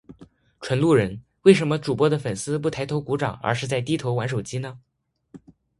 纯路人，为什么主播的粉丝不抬头鼓掌而是在低头玩手机呢？